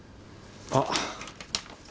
あっ。